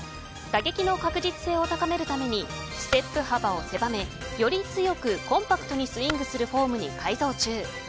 打撃の確実性を高めるためにステップ幅を狭め、より強くコンパクトにスイングするフォームに改造中。